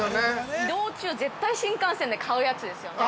◆移動中、絶対新幹線で買うやつですよね。